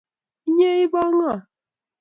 Inye ibo ngo?